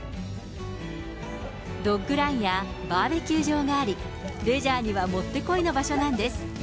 ドッグランやバーベキュー場があり、レジャーにはもってこいの場所なんです。